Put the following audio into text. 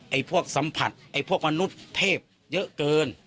พวกสัมผัสไอ้พวกมนุษย์เทพเยอะเกิน